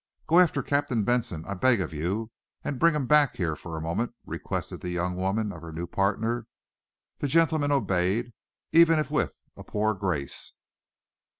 "Go after Captain Benson, I beg of you, and bring him back here for a moment," requested the young woman of her new partner. That gentleman obeyed, even if with a poor grace.